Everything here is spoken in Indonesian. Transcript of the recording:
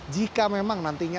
jika memang nantinya